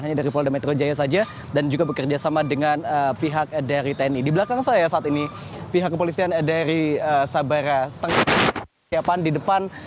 tengah melakukan persiapan di depan